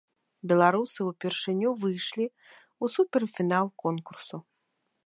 Беларусы ўпершыню выйшлі ў супер-фінал конкурсу.